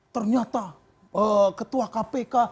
ternyata ketua kpk